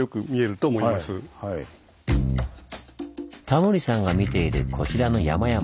タモリさんが見ているこちらの山々。